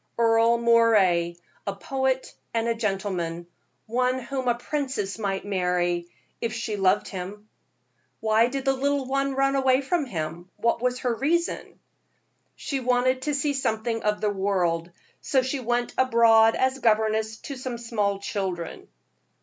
"Earle Moray, a poet and a gentleman one whom a princess might marry, if she loved him." "Why did the little one run away from him? What was her reason?" "She wanted to see something of the world, so she went abroad as governess to some little children."